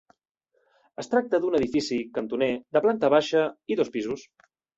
Es tracta d'un edifici, cantoner, de planta baixa i dos pisos.